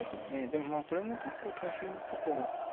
でもまあこれも結構大変だと思って。